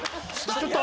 ちょっと。